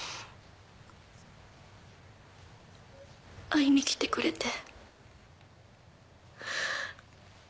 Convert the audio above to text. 会いに来てくれて。